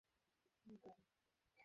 সে একজন মুসলিম পরিবারের ছেলে।